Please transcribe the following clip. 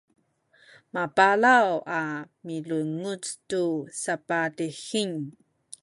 mapalaw a milunguc tu sapadihing